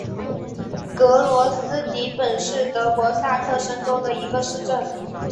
格罗斯迪本是德国萨克森州的一个市镇。